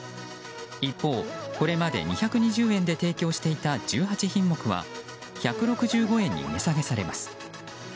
一方、これまで２２０円で提供していた１８品目は１６５円に値下げされます。